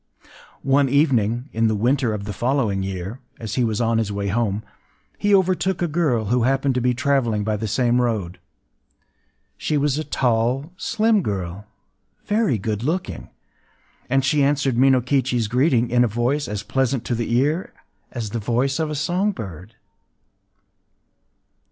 One evening, in the winter of the following year, as he was on his way home, he overtook a girl who happened to be traveling by the same road. She was a tall, slim girl, very good looking; and she answered Minokichi’s greeting in a voice as pleasant to the ear as the voice of a song bird.